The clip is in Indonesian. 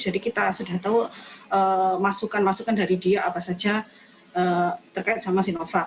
jadi kita sudah tahu masukan masukan dari dia apa saja terkait sama sinovac